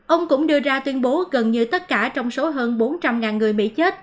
ông cũng đưa ra tuyên bố gần như tất cả trong số hơn bốn trăm linh người mỹ chết